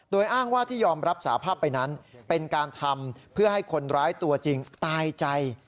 โดยอ้างว่าที่ยอมรับสาภาพไปนั้นเป็นการทำเพื่อให้คนร้ายตัวจริงตายใจ